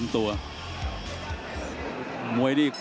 อาจได้